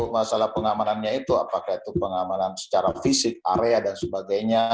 masalah pengamanannya itu apakah itu pengamanan secara fisik area dan sebagainya